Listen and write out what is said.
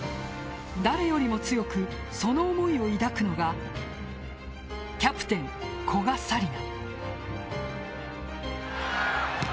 誰よりも強くその思いを抱くのがキャプテン、古賀紗理奈。